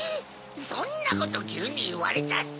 そんなこときゅうにいわれたって。